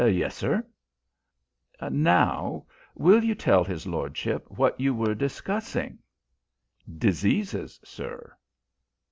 "Yes, sir." "Now, will you tell his lordship what you were discussing?" "Diseases, sir."